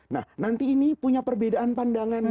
nah nanti ini punya perbedaan pandangan